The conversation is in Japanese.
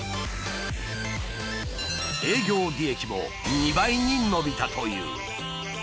営業利益も２倍に伸びたという。